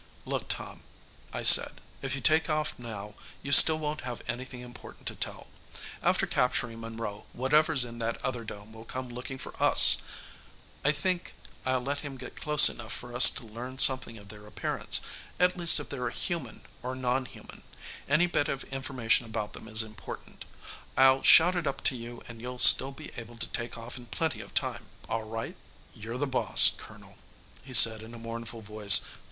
"Look, Tom," I said, "if you take off now, you still won't have anything important to tell. After capturing Monroe, whatever's in that other dome will come looking for us, I think. I'll let them get close enough for us to learn something of their appearance at least if they're human or non human. Any bit of information about them is important. I'll shout it up to you and you'll still be able to take off in plenty of time. All right?" "You're the boss, Colonel," he said in a mournful voice.